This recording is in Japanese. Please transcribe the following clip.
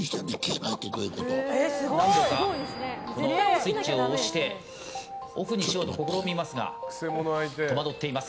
スイッチを押してオフにしようと試みますが戸惑っています。